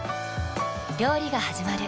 料理がはじまる。